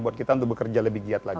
buat kita untuk bekerja lebih giat lagi